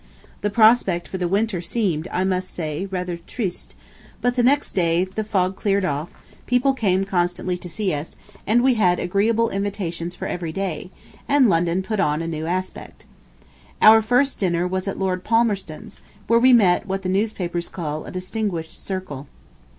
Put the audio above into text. The prospect for the winter seemed, I must say, rather "triste," but the next day the fog cleared off, people came constantly to see us, and we had agreeable invitations for every day, and London put on a new aspect. Out first dinner was at Lord Palmerston's, where we met what the newspapers call a distinguished circle.